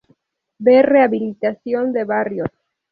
Ver Rehabilitación de barrios.